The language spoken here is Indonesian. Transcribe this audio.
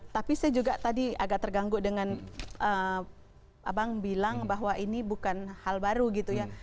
tapi saya juga tadi agak terganggu dengan abang bilang bahwa ini bukan hal baru gitu ya